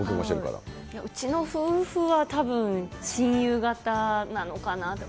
うちの夫婦はたぶん、親友型なのかなって。